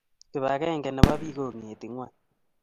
Kipakenge nebo bik ko ngeti ngony